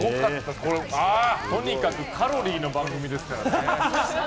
とにかくカロリーの番組ですからね。